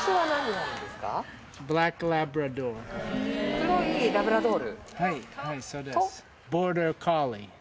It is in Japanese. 黒いラブラドール。と？